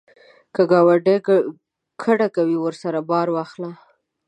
که ګاونډی کډه کوي، ورسره بار واخله